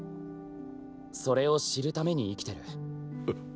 それを知るために生きてる。